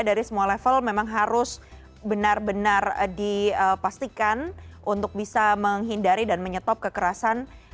dari semua level memang harus benar benar dipastikan untuk bisa menghindari dan menyetop kekerasan